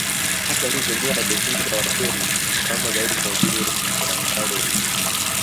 Hata hivyo mila na desturi za Wagweno zinafanana zaidi na zile za Wapare wengine